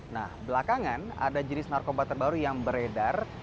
nah belakangan ada jenis narkoba terbaru yang beredar